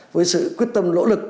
với sự quyết tâm lỗ lực